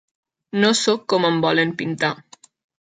No sóc com em volen pintar.